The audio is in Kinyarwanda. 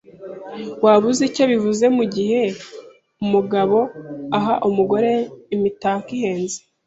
Waba uzi icyo bivuze mugihe umugabo aha umugore imitako ihenze?